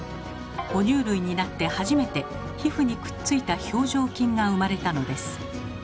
哺乳類になって初めて皮膚にくっついた表情筋が生まれたのです。